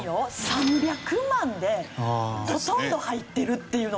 ３００万でほとんど入ってるっていうの。